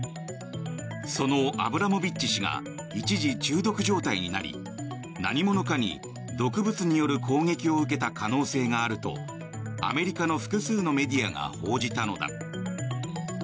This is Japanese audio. そのアブラモビッチ氏が一時、中毒状態になり何者かに毒物による攻撃を受けた可能性があるとアメリカの複数のメディアが報じたのだ。